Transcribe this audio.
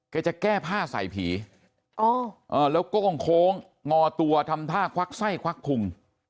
จะแก้ผ้าใส่ผีแล้วโก้งโค้งงอตัวทำท่าควักไส้ควักพุง